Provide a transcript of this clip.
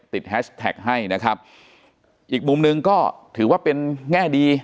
แฮชแท็กให้นะครับอีกมุมหนึ่งก็ถือว่าเป็นแง่ดี